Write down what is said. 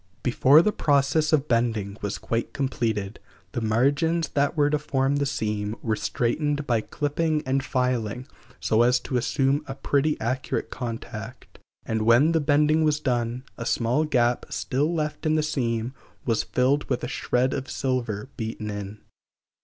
Before the process of bending was quite completed the margins that were to form the seam were straightened by clipping and filing so as to assume a pretty accurate contact, and when the bending was done, a small gap still left in the seam was filled with a shred of silver beaten in.